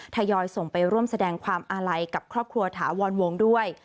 ทยอยส่งไปร่วมแสดงความอาลัยกับครอบครัวถาวรวงด้วย